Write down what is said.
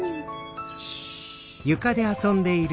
よし。